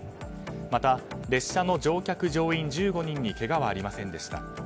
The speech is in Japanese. また、列車の乗客・乗員１５人にけがはありませんでした。